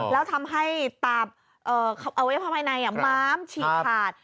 แล้วทำให้เอาไว้เหมาภายในม้ามชีคาด